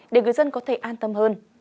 để người dân có thể an tâm hơn